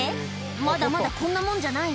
まだまだこんなもんじゃない？